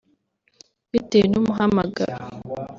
Bitewe n’umuhamagaro